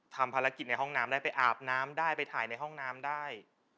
ทำภารกิจในห้องน้ำได้ไปอาบน้ำได้ไปถ่ายในห้องน้ำได้